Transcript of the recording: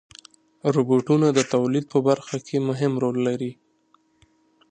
روبوټونه د تولید په برخه کې مهم رول لري.